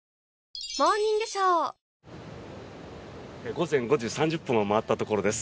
午前５時３０分を回ったところです。